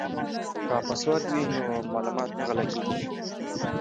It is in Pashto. که پاسورډ وي نو معلومات نه غلا کیږي.